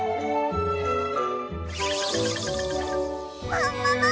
ももも！